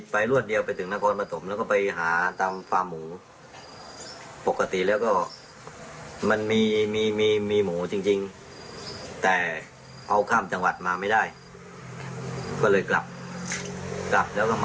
ก็เลยกลับแล้วก็มาเวทย์พยานที่สัมสัญญา